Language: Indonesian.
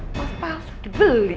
emas palsu dibeli